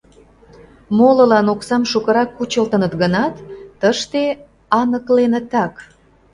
Молылан оксам шукырак кучылтыныт гынат, тыште аныкленытак.